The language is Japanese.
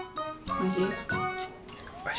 おいしい？